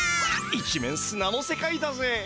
一面すなの世界だぜ。